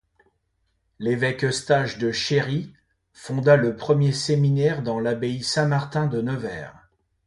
L’évêque Eustache de Chery fonda le premier séminaire dans l’abbaye Saint-Martin de Nevers.